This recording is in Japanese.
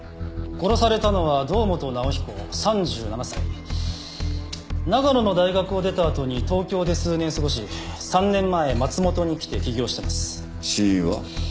殺されたのは堂本直彦３７歳長野の大学を出たあとに東京で数年過ごし３年前松本に来て起業してます死因は？